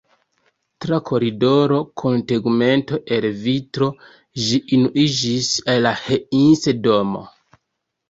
Tra koridoro kun tegmento el vitro ĝi unuiĝis al la Heinse-domo.